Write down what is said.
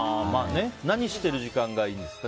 何してる時間がいいですか？